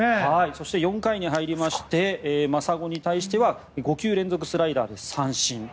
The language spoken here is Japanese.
そして４回に入りまして真砂に対しては５球連続スライダーで三振。